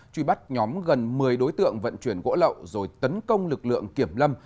truy bắt nhóm gần một mươi đối tượng vận chuyển gỗ lậu rồi tấn công lực lượng kiểm lâm